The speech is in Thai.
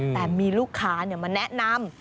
แต่มีลูกค้ามาแนะนำ